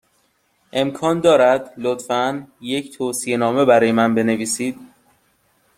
امکان دارد، لطفا، یک توصیه نامه برای من بنویسید؟